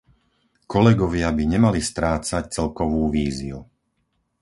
Kolegovia by nemali strácať celkovú víziu.